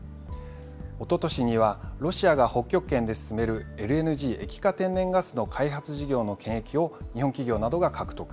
おととしにはロシアが北極圏で進めるＬＮＧ・液化天然ガスの開発事業の権益を日本企業などが獲得。